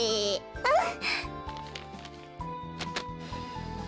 うん！